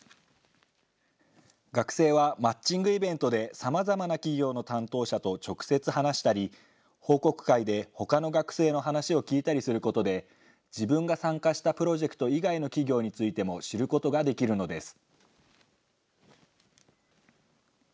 学生はマッチングイベントで、さまざまな企業の担当者と直接話したり、報告会でほかの学生の話を聞いたりすることで、自分が参加したプロジェクト以外の企業についても知ることができるのです。